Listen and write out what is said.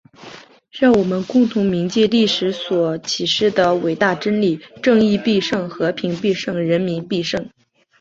让我们共同铭记历史所启示的伟大真理：正义必胜！和平必胜！人民必胜！